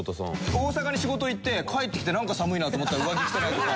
大阪に仕事行って帰ってきてなんか寒いなと思ったら上着着てないとか。